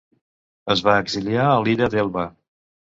Es va exiliar a l'illa d'Elba.